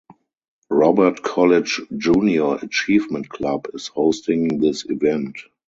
Robert College Junior Achievement Club is hosting this event.